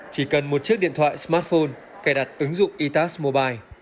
chỉ cần một chiếc điện thoại smartphone cài đặt ứng dụng itas mobile